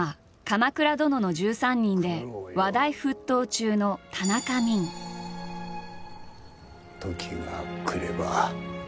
「鎌倉殿の１３人」で話題沸騰中の時が来れば。